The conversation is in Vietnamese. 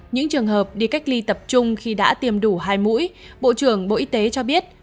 những trường hợp đi cách ly tập trung khi đã tiêm đủ hai mũi bộ trưởng bộ y tế cho biết